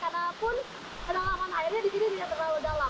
karena pun kedalaman airnya di sini tidak terlalu dalam